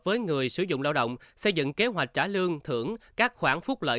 với người sử dụng lao động xây dựng kế hoạch trả lương thưởng các khoản phúc lợi